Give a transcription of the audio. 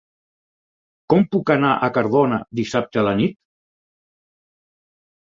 Com puc anar a Cardona dissabte a la nit?